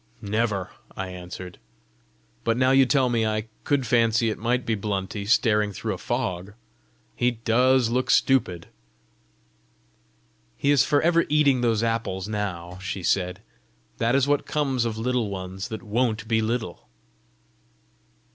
"Never," I answered. " But now you tell me, I could fancy it might be Blunty staring through a fog! He DOES look stupid!" "He is for ever eating those apples now!" she said. "That is what comes of Little Ones that WON'T be little!"